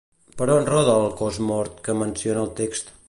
Per on roda el cos mort que menciona el text?